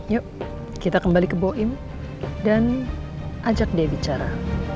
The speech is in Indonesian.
yuk kita kembali ke boim dan ajak dia bicara